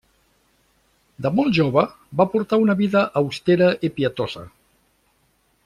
De molt jove, va portar una vida austera i pietosa.